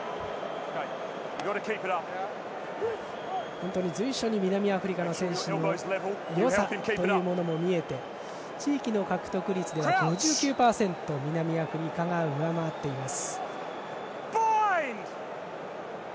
本当に、随所に南アフリカの選手のよさも見えて地域の獲得率では５９％南アフリカが上回っています。